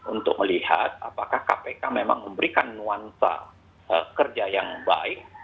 untuk melihat apakah kpk memang memberikan nuansa kerja yang baik